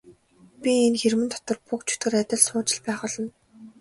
Би энэ хэрмэн дотор буг чөтгөр адил сууж л байх болно.